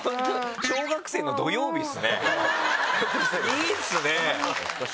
いいですね！